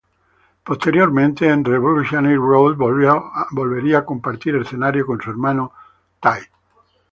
Posteriormente en "Revolutionary Road" volvería a compartir escenario con su hermano Ty.